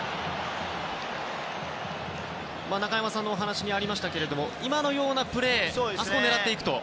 中山さんのお話にありましたが今のようなプレーあそこを狙っていくと。